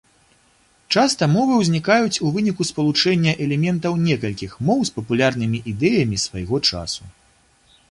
Часта мовы узнікаюць у выніку спалучэння элементаў некалькіх моў з папулярнымі ідэямі свайго часу.